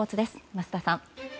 桝田さん。